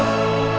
ya allah ya allah